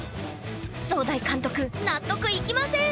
壮大監督納得いきません！